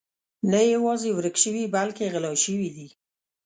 نه یوازې ورک شوي بلکې غلا شوي دي.